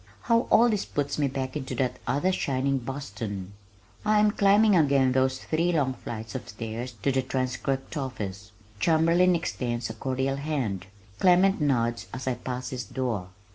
How all this puts me back into that other shining Boston! I am climbing again those three long flights of stairs to the Transcript office. Chamberlin extends a cordial hand, Clement nods as I pass his door.